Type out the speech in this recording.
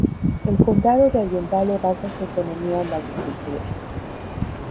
El Condado de Allendale basa su economía en la agricultura.